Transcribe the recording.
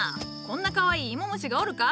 こんなかわいい芋虫がおるか？